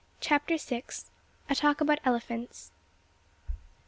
CHAPTER SIX. A TALK ABOUT ELEPHANTS.